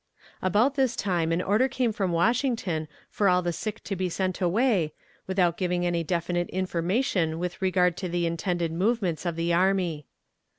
About this time an order came from Washington for all the sick to be sent away, without giving any definite information with regard to the intended movements of the army.